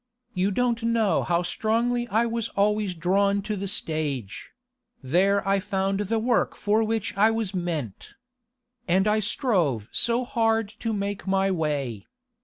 You don't know how strongly I was always drawn to the stage; there I found the work for which I was meant. And I strove so hard to make my way.